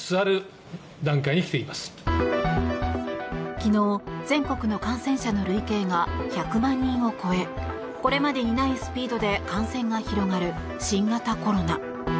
昨日、全国の感染者の累計が１００万人を超えこれまでにないスピードで感染が広がる新型コロナ。